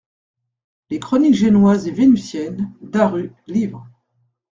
Les chroniques génoises et vénitiennes (Daru, liv.